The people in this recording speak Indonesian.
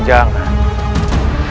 dia akan menangani nimasarara santang